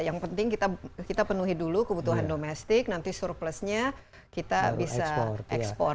yang penting kita penuhi dulu kebutuhan domestik nanti surplusnya kita bisa ekspor